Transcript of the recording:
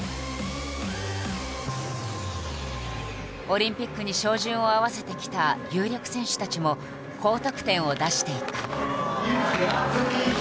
オリンピックに照準を合わせてきた有力選手たちも高得点を出していく。